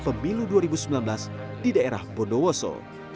pemilu dua ribu sembilan belas di daerah bondowoso